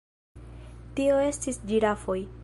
Tio estis ĝirafoj.